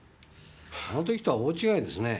あの時とは大違いですね。